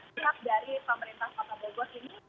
penguatan dari pemerintah pak bogor ini